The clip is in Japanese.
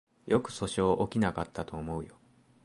よく訴訟起きなかったと思うよ